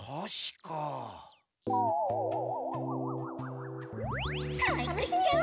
かわいくしちゃおっと。